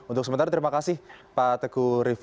untuk sementara terima kasih pak teguh rif